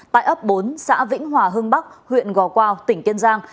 tại ấp bốn xã vĩnh hòa hưng bắc huyện gò quao tỉnh kiên giang